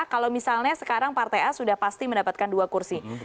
kalau misalnya sekarang partai a sudah pasti mendapatkan dua kursi